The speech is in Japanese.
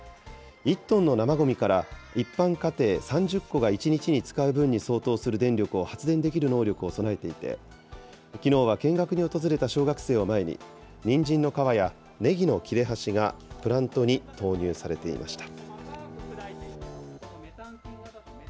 １トンの生ごみから、一般家庭３０戸が１日に使う分に相当する電力を発電できる能力を備えていて、きのうは見学に訪れた小学生を前に、にんじんの皮やねぎの切れ端がプラントに投入されていました。